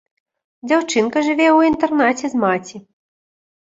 Дзяўчынка жыве ў інтэрнаце з маці.